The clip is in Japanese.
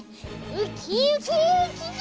ウキウキウキキ！